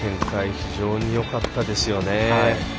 非常によかったですよね。